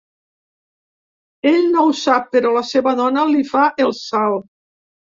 Ell no ho sap, però la seva dona li fa el salt.